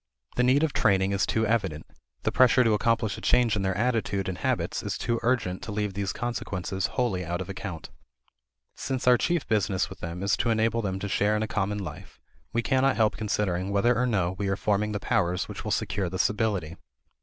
The need of training is too evident; the pressure to accomplish a change in their attitude and habits is too urgent to leave these consequences wholly out of account. Since our chief business with them is to enable them to share in a common life we cannot help considering whether or no we are forming the powers which will secure this ability.